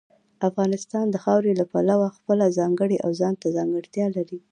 افغانستان د خاورې له پلوه خپله ځانګړې او ځانته ځانګړتیا لري.